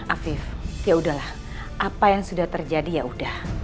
afif ya udahlah apa yang sudah terjadi ya udah